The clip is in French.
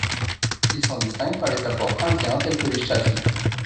Il s'en distingue par les apports indiens tels que les chhatris.